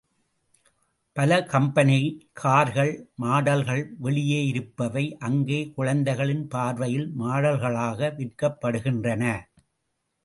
பல கம்பெனி கார்கள் மாடல்கள் வெளியே இருப்பவை அங்கே குழந்தைகளின் பார்வையில் மாடல்களாக விற்கப்படுகின்றன.